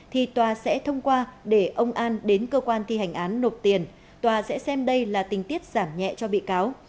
thì tòa sẽ thông qua để ông an đến cơ quan thi hành án nộp tiền tòa sẽ xem đây là tình tiết giảm nhẹ cho bị cáo